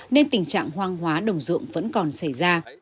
nên tình trạng hoang hóa đồng dụng vẫn còn xảy ra